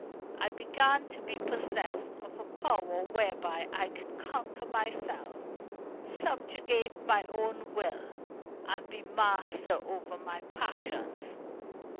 I began to be possessed of a power whereby I could conquer myself, subjugate my own will, and be master over my passions.